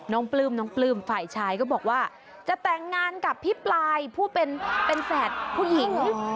ปลื้มน้องปลื้มฝ่ายชายก็บอกว่าจะแต่งงานกับพี่ปลายผู้เป็นแฝดผู้หญิง